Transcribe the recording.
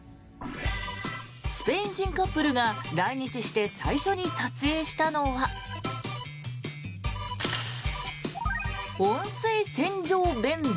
スペイン人カップルが来日して最初に撮影したのは温水洗浄便座。